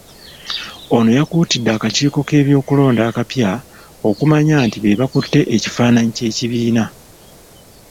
Ono yakuutidde akakiiko k’ebyokulonda akapya okumanya nti be bakutte ekifananyi ky'ekibiina.